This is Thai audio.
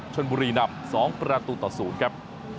ชนบุรีนำหนึ่งประตูต่อศูนย์ครับ